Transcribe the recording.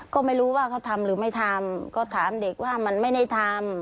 ก็ไม่รู้ว่าเขาทำหรือไม่ทำก็ถามเด็กว่ามันไม่ได้ทำ